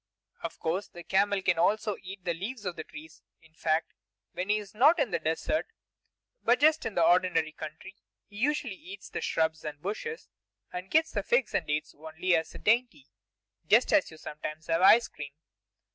Of course, the camel can also eat the leaves of the trees; in fact, when he is not in the desert, but just in the ordinary country, he usually eats from the shrubs and bushes, and gets figs and dates only as a dainty, just as you sometimes have ice cream.